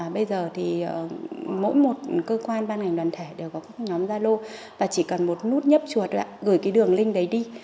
bây giờ thì mỗi một cơ quan ban ngành đoàn thể đều có các nhóm gia lô và chỉ cần một nút nhấp chuột gửi cái đường link đấy đi